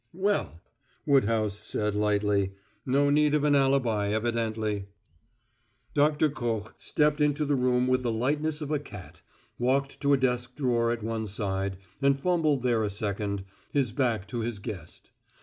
"Well," Woodhouse said lightly, "no need of an alibi evidently." Doctor Koch stepped into the room with the lightness of a cat, walked to a desk drawer at one side, and fumbled there a second, his back to his guest.